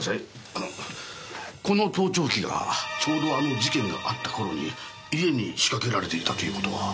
あのこの盗聴器がちょうどあの事件があった頃に家に仕掛けられていたという事は。